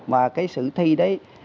và cái sử thi đấy